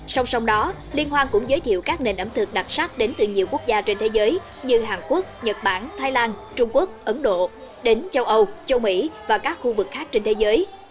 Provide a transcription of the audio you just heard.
song song đó liên hoan cũng giới thiệu các nền ẩm thực đặc sắc đến từ nhiều quốc gia trên thế giới như hàn quốc nhật bản thái lan trung quốc ấn độ đến châu âu châu mỹ và các khu vực khác trên thế giới